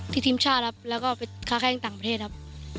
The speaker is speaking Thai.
ทีมชาติครับแล้วก็ไปค้าแข้งต่างประเทศครับ